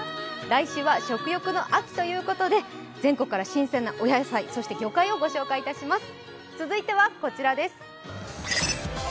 来週は食欲の秋ということで、全国から新鮮なお野菜魚介をご紹介します。